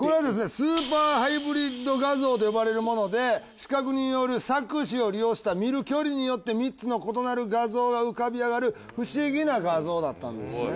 スーパーハイブリッド画像と呼ばれるもので視覚による錯視を利用した見る距離によって３つの異なる画像が浮かび上がる不思議な画像だったんですね。